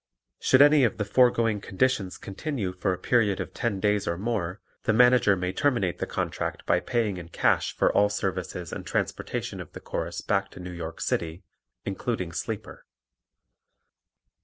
Should any of the foregoing conditions continue for a period of ten days or more the Manager may terminate the contract by paying in cash for all services and transportation of the Chorus back to New York City, including sleeper.